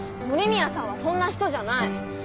森宮さんはそんな人じゃない！